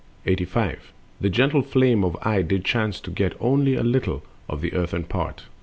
85. The gentle flame of eye did chance to get Only a little of the earthen part.